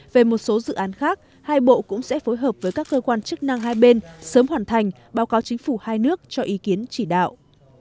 về một số dự án khác hai bộ cũng sẽ phối hợp với các cơ quan chức năng hai bên sớm hoàn thành báo cáo chính phủ hai nước cho ý kiến chỉ đạo